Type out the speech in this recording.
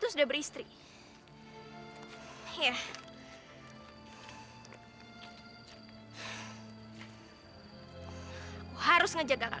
terus di gelang ini weir meri harap tiru kamu jadi enggak